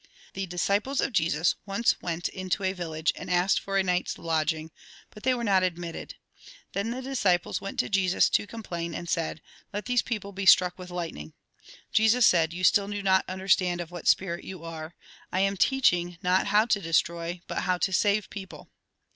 The disciples of Jesus once went into a village, and asked for a night's lodging ; but they were not admitted. Then the disciples went to Jesus to complain, and said :" Let these people be Struck with lightning." Jesus said :" You still do not understand of what spirit you are. I am teaching, not how to destroy but how to save people."